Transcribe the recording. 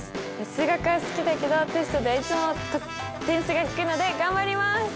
数学は好きだけどテストではいつも点数が低いので頑張ります！